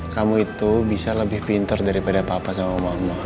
kamu itu bisa lebih pinter daripada papa sama mama